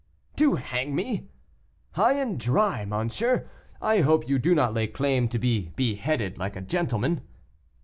"To hang me!" "High and dry, monsieur; I hope you do not lay claim to be beheaded like a gentleman."